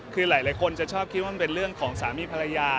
คือหลายคนจะชอบคิดว่ามันเป็นเรื่องของสามีภรรยา